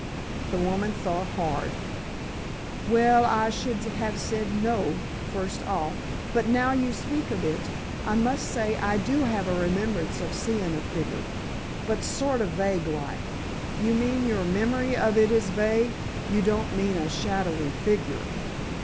The woman thought hard. "Well, I sh'd have said no—first off—but now you speak of it, I must say I do have a remimbrance of seein' a figger—but sort of vague like." "You mean your memory of it is vague—you don't mean a shadowy figure?"